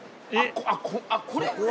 あっこれ？